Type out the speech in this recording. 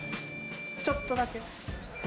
ちょっとだけ。